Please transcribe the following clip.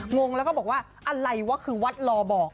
งงแล้วก็บอกว่าอะไรวะคือวัดลอบอก